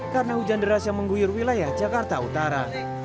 karena hujan deras yang mengguyur wilayah jakarta utara